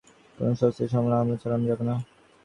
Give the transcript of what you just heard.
সেটি হলো সংলাপ চলার সময় কোনো সন্ত্রাসী হামলা চালানো যাবে না।